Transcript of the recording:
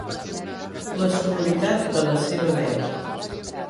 La sonoritat de la seva veu.